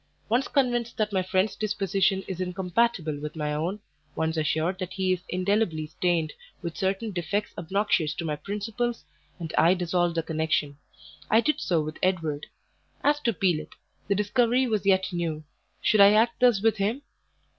Once convinced that my friend's disposition is incompatible with my own, once assured that he is indelibly stained with certain defects obnoxious to my principles, and I dissolve the connection. I did so with Edward. As to Pelet, the discovery was yet new; should I act thus with him?